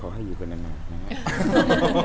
ก็ขอให้อยู่กันหน่อยนะครับ